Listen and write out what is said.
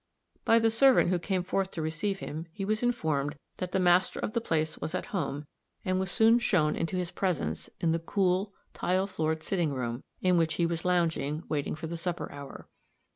By the servant who came forth to receive him he was informed that the master of the place was at home, and was soon shown into his presence, in the cool, tile floored sitting room, in which he was lounging, waiting for the supper hour.